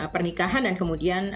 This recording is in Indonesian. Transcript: pernikahan dan kemudian